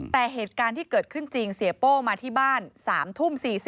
แต่เหตุการณ์ที่เกิดขึ้นจริงเสียโป้มาที่บ้าน๓ทุ่ม๔๐